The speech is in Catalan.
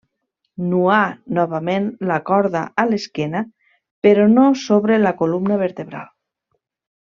Nuar novament la corda a l'esquena, però no sobre la columna vertebral.